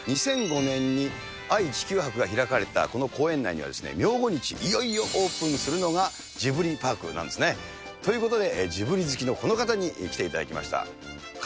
２００５年に愛・地球博が開かれたこの公園内には、明後日、いよいよオープンするのが、ジブリパークなんですね。ということで、ジブリ好きのこの方に来ていただきました。